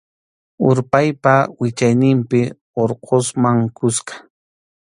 Urpaypa wichayninpi Urqusman kuska.